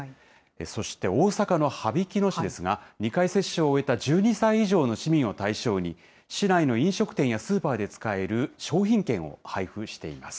そして大阪の羽曳野市ですが、２回接種を終えた１２歳以上の市民を対象に、市内の飲食店やスーパーで使える商品券を配布しています。